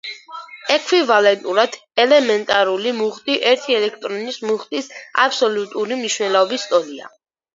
ექვივალენტურად, ელემენტარული მუხტი ერთი ელექტრონის მუხტის აბსოლუტური მნიშვნელობის ტოლია.